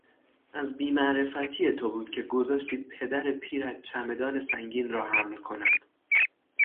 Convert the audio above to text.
از بیمعرفتی تو بود که گذاشتی پدر پیرت چمدان سنگین را حمل کند.